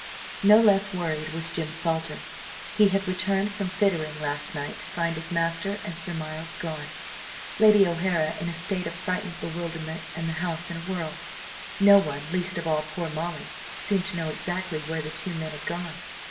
No less worried was Jim Salter. He had returned from Fittering last night to find his master and Sir Miles gone, Lady O'Hara in a state of frightened bewilderment, and the house in a whirl. No one, least of all poor Molly, seemed to know exactly where the two men had gone.